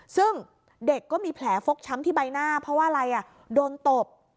ซึ่งเด็กก็มีแผลฟกช้ำที่ใบหน้าเพราะว่าอะไรโดนตบ